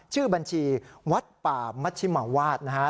ชื่อบัญชีวัดป่ามัชชิมาวาดนะฮะ